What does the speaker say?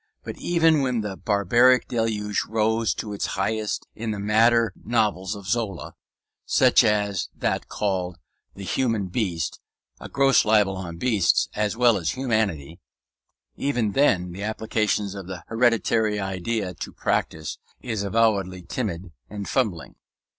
But even when the barbarian deluge rose to its highest in the madder novels of Zola (such as that called "The Human Beast", a gross libel on beasts as well as humanity), even then the application of the hereditary idea to practice is avowedly timid and fumbling.